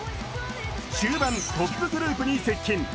中盤、トップグループに接近。